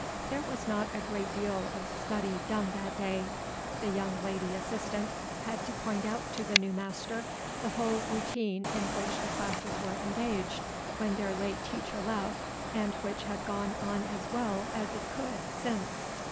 There was not a great deal of study done that day. The young lady assistant had to point out to the new master the whole routine in which the classes were engaged when their late teacher left, and which had gone on as well as it could since.